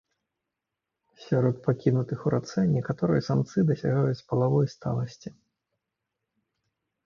Сярод пакінутых у рацэ некаторыя самцы дасягаюць палавой сталасці.